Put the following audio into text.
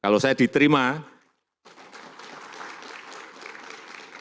kalau saya diterima saat itu dengan jarak lima meter